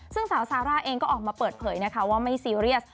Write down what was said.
ซึ่งสาวซาร่าเองก็ออกมาเปิดเผยนะคะว่าไม่ซีเรียส